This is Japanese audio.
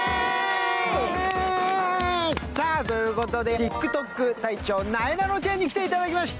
ＴｉｋＴｏｋ隊長、なえなのちゃんに来ていただきました。